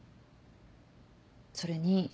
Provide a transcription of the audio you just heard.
それに。